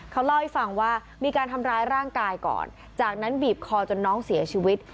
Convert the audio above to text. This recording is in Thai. เขาเล่าให้ฟังว่ามีการทำร้ายร่างกายก่อนจากนั้นบีบคอจนน้องเสียชีวิต